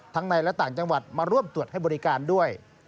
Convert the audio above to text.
ในและต่างจังหวัดมาร่วมตรวจให้บริการด้วย